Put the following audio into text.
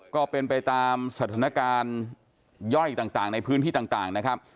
ก็เป็นไปตามสถานการณ์ย่อยต่างในพื้นที่ต่างนะครับ